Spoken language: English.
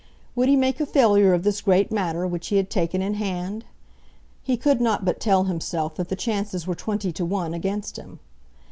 Would he make a failure of this great matter which he had taken in hand? He could not but tell himself that the chances were twenty to one against him.